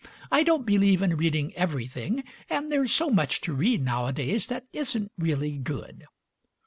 "I don't believe in reading everything, and there's so much to read nowadays that isn't really good."